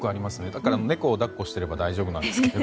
だから、猫を抱っこしてれば大丈夫なんですけどね。